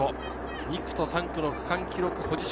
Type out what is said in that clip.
２区と３区の区間記録保持者。